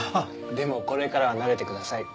でもこれからは慣れてください。